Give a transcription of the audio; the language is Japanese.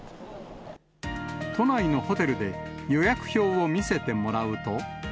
都内のホテルで予約表を見せてもらうと。